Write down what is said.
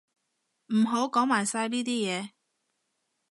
唔好講埋晒呢啲嘢